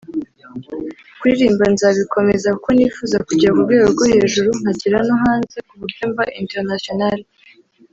Kuririmba nzabikomeza kuko nifuza kugera ku rwego rwo hejuru nkagera no hanze kuburyo mba International